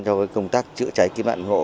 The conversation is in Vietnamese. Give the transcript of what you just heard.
cho công tác chữa cháy kiếm lại ủng hộ